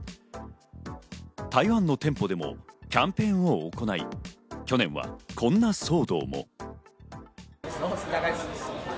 台湾の店舗でもキャンペーンを行い、去年は、こんな騒動も。